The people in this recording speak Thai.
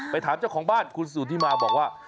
ถามเจ้าของบ้านคุณสุธิมาบอกว่า